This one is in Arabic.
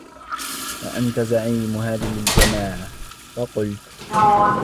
وَأَنْتَ زَعِيمُ هَذِهِ الْجَمَاعَةِ ؟ فَقُلْت